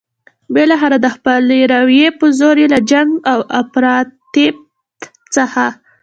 بالاخره د خپلې رايې په زور یې له جنګ او افراطیت څخه.